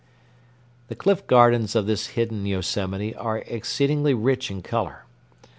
The cliff gardens of this hidden Yosemite are exceedingly rich in color.